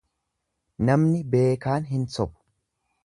Namni beekaan hin sobu.